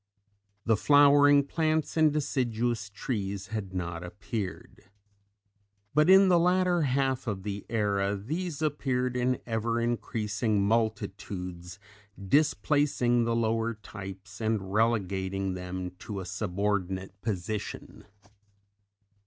The flowering plants and deciduous trees had not appeared. But in the latter half of the era these appeared in ever increasing multitudes, displacing the lower types and relegating them to a subordinate position.